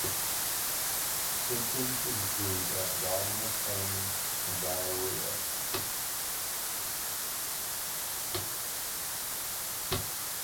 Symptoms include abdominal pain and diarrhea.